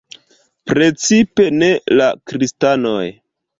Precipe ne la kristanoj.